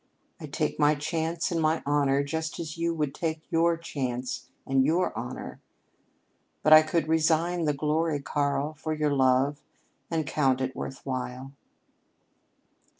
I take my chance and my honor just as you would take your chance and your honor. But I could resign the glory, Karl, for your love, and count it worth while."